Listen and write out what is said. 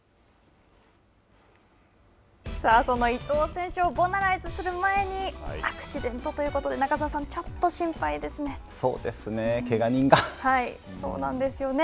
そんな伊東選手をボナライズする前に、アクシデントということで、中澤さん、ちょっと心配ですね。